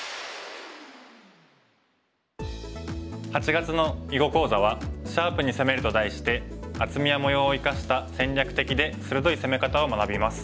８月の囲碁講座は「シャープに攻める」と題して厚みや模様を生かした戦略的で鋭い攻め方を学びます。